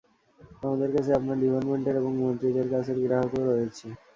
আমাদের কাছে আপনার ডিপার্টমেন্টের এবং মন্ত্রীদের কাছের গ্রাহকও রয়েছে।